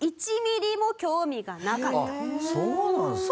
あっそうなんですか？